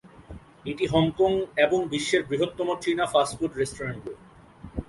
এটি হংকং এবং বিশ্বের বৃহত্তম চীনা ফাস্ট-ফুড রেস্টুরেন্ট গ্রুপ।